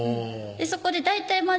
そこで大体麻雀